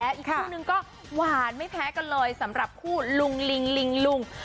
และอีกชุดหนึ่งก็หวานไม่แพ้กันเลยสำหรับผู้ลุงลิงลุงลุง